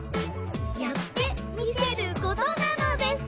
「やってみせる事なのです」